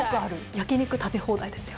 焼肉食べ放題ですよ